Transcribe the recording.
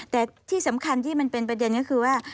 แต่ที่สำคัญที่มันเป็นประเด็นก็คือว่า